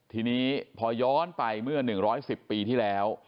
ทีนี้พอย้อนไปเมื่อ๑๑๐ปีที่แล้ว